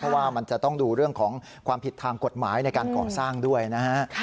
เพราะว่ามันจะต้องดูเรื่องของความผิดทางกฎหมายในการก่อสร้างด้วยนะฮะ